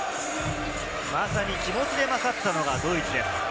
まさに気持ちで勝ったのがドイツです。